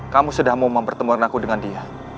kamu sudah mempertemuan aku dengan dia